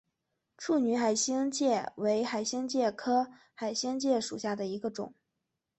处女海星介为海星介科海星介属下的一个种。